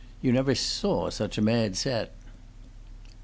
You never saw such a mad set."